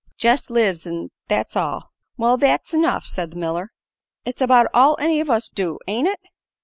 "Jest lives, 'n' that's all." "Well, thet's enough," said the miller. "It's about all any of us do, ain't it?"